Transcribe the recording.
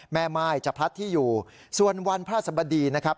แม่ม่ายจะพลัดที่อยู่ส่วนวันพระสบดีนะครับ